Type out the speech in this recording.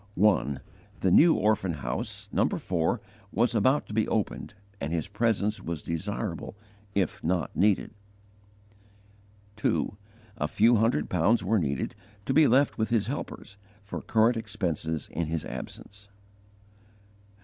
1. The new orphan house, No. 4, was about to be opened, and his presence was desirable if not needful. 2. A few hundred pounds were needed, to be left with his helpers, for current expenses in his absence.